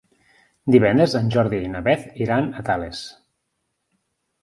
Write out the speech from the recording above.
Divendres en Jordi i na Beth iran a Tales.